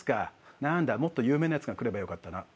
「なーんだもっと有名なやつが来ればよかったな」